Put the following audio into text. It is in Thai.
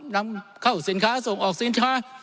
นำเข้าสินค้าส่งออกสินค้า